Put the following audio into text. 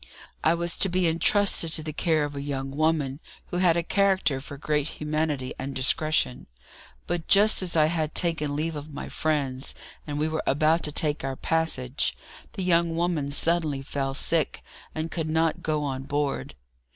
I was to be entrusted to the care of a young woman who had a character for great humanity and discretion; but just as I had taken leave of my friends, and we were about to take our passage, the young woman suddenly fell sick, and could not go on board.